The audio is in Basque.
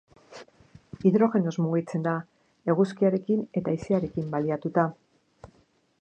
Hidrogenoz mugitzen da, eguzkiarekin eta haizearekin baliatuta.